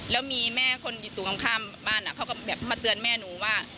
แล้วมีแม่คนอยู่ตรงข้ามบ้านเขาก็แบบมาเตือนแม่หนูว่า